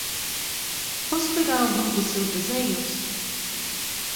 Posso pegar alguns dos seus desenhos?